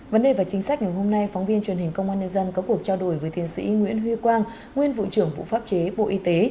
vấn đề và chính sách ngày hôm nay phóng viên truyền hình công an nhân dân có cuộc trao đổi với thiên sĩ nguyễn huy quang nguyên vụ trưởng vụ pháp chế bộ y tế